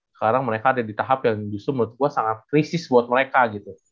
sekarang mereka ada di tahap yang justru menurut gue sangat krisis buat mereka gitu